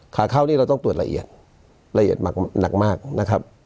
ค่าเข้านี้เราต้องตรวจละเอียดหนักนะครับ